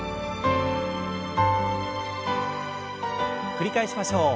繰り返しましょう。